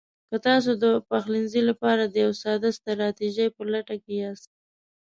که تاسو د پخلنځي لپاره د یوې ساده ستراتیژۍ په لټه کې یاست: